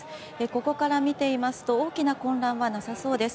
ここから見ていますと大きな混乱はなさそうです。